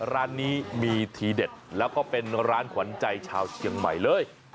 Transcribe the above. ร้านนี้มีทีเด็ดแล้วก็เป็นร้านขวัญใจชาวเชียงใหม่เลย